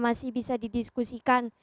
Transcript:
masih bisa didiskusikan